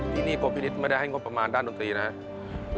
ที่นี่โกพินิษฐ์ไม่ได้ให้งบประมาณด้านดนตรีนะครับ